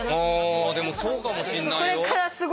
あでもそうかもしんないよ。